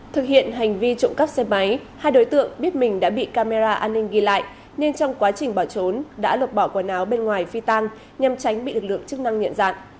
thực hiện hành vi trộm cắp xe máy hai đối tượng biết mình đã bị camera an ninh ghi lại nên trong quá trình bỏ trốn đã lập bỏ quần áo bên ngoài phi tan nhằm tránh bị lực lượng chức năng nhận dạng